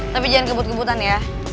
tapi jangan kebut kebutan ya